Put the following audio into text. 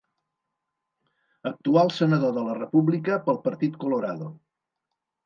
Actual senador de la República pel Partit Colorado.